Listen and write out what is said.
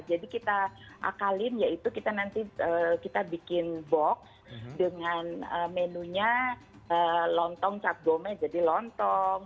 jadi kita akalin yaitu kita nanti kita bikin box dengan menunya lontong capdome jadi lontong